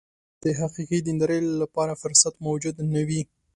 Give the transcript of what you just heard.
د حقیقي دیندارۍ لپاره فرصت موجود نه وي.